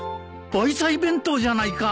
愛妻弁当じゃないか。